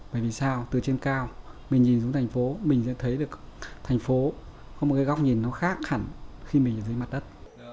bởi vì sao từ trên cao mình nhìn xuống thành phố mình sẽ thấy được thành phố có một cái góc nhìn nó khác hẳn khi mình nhìn thấy mặt đất